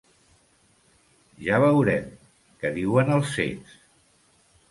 Ja veurem, que diuen els cecs.